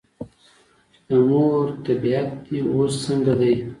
چې " د مور طبیعیت دې اوس څنګه دے ؟" ـ